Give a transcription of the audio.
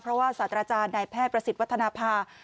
เพราะว่าศาสตราจารย์นายแพทย์ประสิทธิ์วัฒนภา